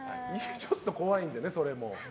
ちょっと怖いんで、それも。